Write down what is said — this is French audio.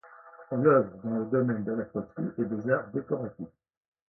Elle œuvre dans le domaine de la poterie et des arts décoratifs.